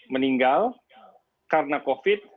meninggal karena covid